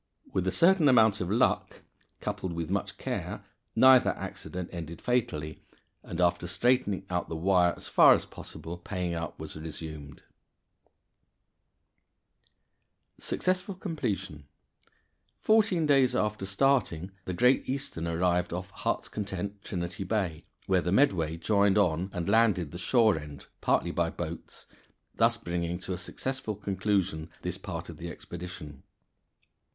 With a certain amount of luck, coupled with much care, neither accident ended fatally; and, after straightening out the wire as far as possible, paying out was resumed. [Illustration: FIG. 39. "Foul in Tank" while Paying out.] Successful Completion. Fourteen days after starting the Great Eastern arrived off Heart's Content, Trinity Bay, where the Medway joined on and landed the shore end partly by boats, thus bringing to a successful conclusion this part of the expedition.